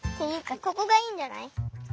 ここがいいんじゃない。